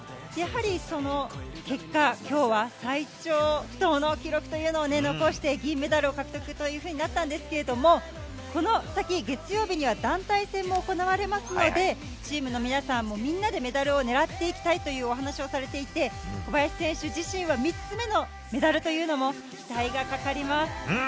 やはりその結果、きょうは最長不倒の記録というのを残して、銀メダルを獲得というふうになったんですけれども、この先、月曜日には団体戦も行われますので、チームの皆さんも、みんなでメダルをねらっていきたいというお話をされていて、小林選手自身は、３つ目のメダルというのも、期待がかかります。